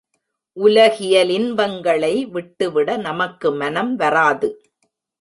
உலகியலின்பங்களை விட்டுவிட நமக்கு மனம் வராது.